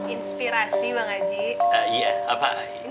inspirasi bang haji